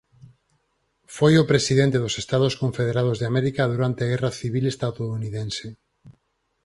Foi o presidente dos Estados Confederados de América durante a Guerra Civil Estadounidense.